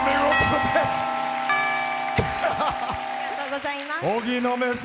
おめでとうございます。